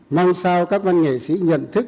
mong sao các văn nghệ sĩ nhận được